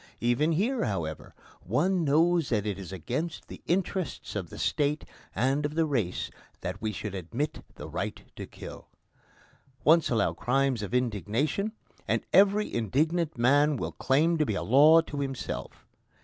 Even here, however, one knows that it is against the interests of the State and of the race that we should admit the right to kill. Once allow crimes of indignation, and every indignant man will claim to be a law to himself.